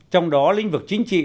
trong đó lĩnh vực chính trị